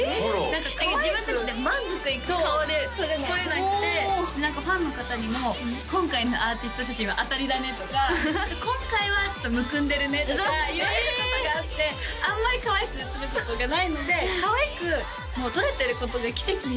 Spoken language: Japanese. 何か自分達で満足いく顔で撮れない撮れなくて何かファンの方にも「今回のアーティスト写真は当たりだね」とか「今回はちょっとむくんでるね」とか言われることがあってあんまりかわいく映ることがないのでかわいくもう撮れてることが奇跡に近いんですよ